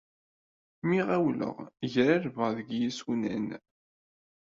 Mi ɣawleɣ, grarbeɣ deg yisunan.